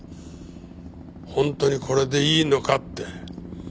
本当にこれでいいのかって。